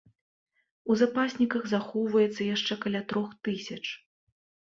У запасніках захоўваецца яшчэ каля трох тысяч.